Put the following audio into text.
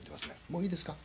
もういいですか。